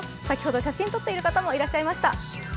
先ほど写真撮っている方もいらっしゃいました。